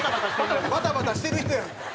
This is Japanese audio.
バタバタしてる人やんか。